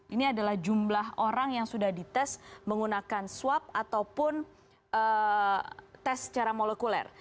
ini adalah jumlah orang yang sudah dites menggunakan swab ataupun tes secara molekuler